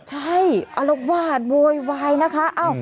ใช่อารวาสโวยวายนะคะ